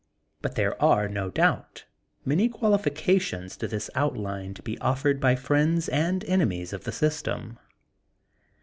But there are, no doubt, many qualifi cations to this outline to be offered by friends \ and enemies of the system.